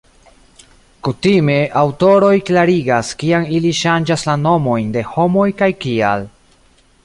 Kutime aŭtoroj klarigas kiam ili ŝanĝas la nomojn de homoj kaj kial.